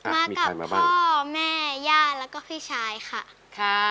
มากับพ่อแม่ญาติแล้วก็พี่ชายค่ะ